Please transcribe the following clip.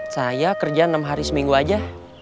saya kerja enam hari seminggu aja